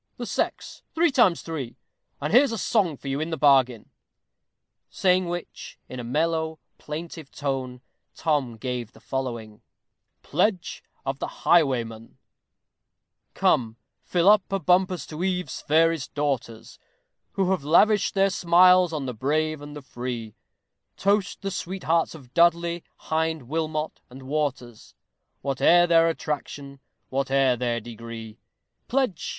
'The sex! three times three!' and here's a song for you into the bargain." Saying which, in a mellow, plaintive tone, Tom gave the following: PLEDGE OF THE HIGHWAYMAN Come, fill up a bumper to Eve's fairest daughters, Who have lavished their smiles on the brave and the free; Toast the sweethearts of DUDLEY, HIND, WILMOT, and WATERS, Whate'er their attraction, whate'er their degree. Pledge!